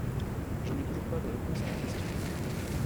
Je n’ai toujours pas de réponse à mes questions.